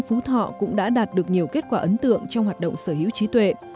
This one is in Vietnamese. phú thọ cũng đã đạt được nhiều kết quả ấn tượng trong hoạt động sở hữu trí tuệ